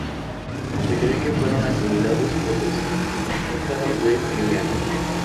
Se cree que fueron asimilados por los tártaros de Crimea.